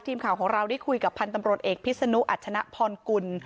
ทีมข่าวของเราได้คุยกับพันธ์ตำรวจเอกพิษนุอัชนะพรกุล